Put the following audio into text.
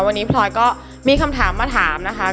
วันนี้พลอยก็มีคำถามมาถามนะคะ